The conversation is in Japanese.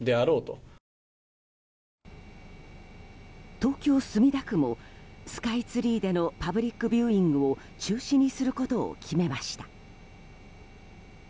東京・墨田区もスカイツリーでのパブリックビューイングを中止にすることを決めました。